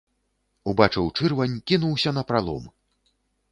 Убачыў чырвань, кінуўся напралом.